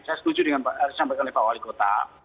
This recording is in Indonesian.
saya setuju dengan harus menyampaikan level pak wali kota